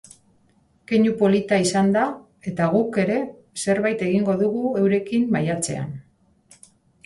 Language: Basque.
Keinu polita izango da, eta guk ere zerbait egingo dugu eurekin maiatzean.